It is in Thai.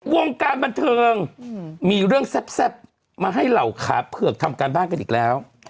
วงการบันเทิงมีเรื่องแซ่บมาให้เหล่าขาเผือกทำการบ้านกันอีกแล้ว